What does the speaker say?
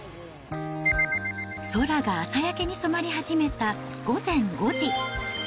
空が朝焼けに染まり始めた午前５時。